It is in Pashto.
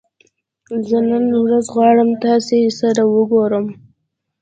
زه نن ورځ غواړم تاسې سره وګورم